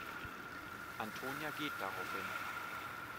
Antonia geht daraufhin.